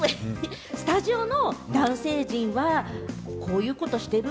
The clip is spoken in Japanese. スタジオの男性陣は、こういうことしてる？